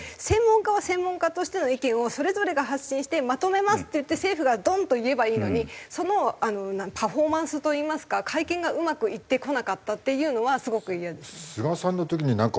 専門家は専門家としての意見をそれぞれが発信してまとめますって言って政府がドンと言えばいいのにそのパフォーマンスといいますか会見がうまくいってこなかったっていうのはすごくイヤです。